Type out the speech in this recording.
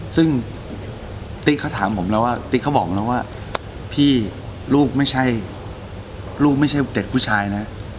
ซึ่งติ๊กเขาถามผมแล้วว่าติ๊กเขาบอกแล้วว่าพี่ลูกไม่ใช่ลูกไม่ใช่เด็กผู้ชายนะ